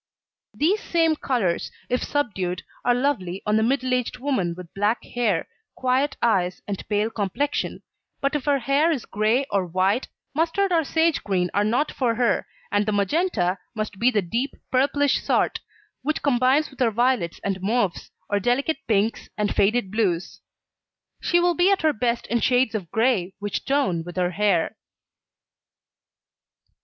These same colours, if subdued, are lovely on the middle aged woman with black hair, quiet eyes and pale complexion, but if her hair is grey or white, mustard and sage green are not for her, and the magenta must be the deep purplish sort, which combines with her violets and mauves, or delicate pinks and faded blues. She will be at her best in shades of grey which tone with her hair.